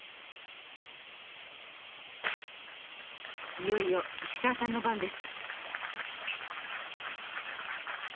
・いよいよ石川さんの番です。